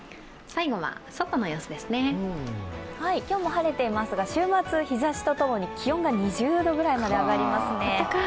今日も晴れていますが週末、日ざしとともに気温が２０度ぐらいまで上がりますね。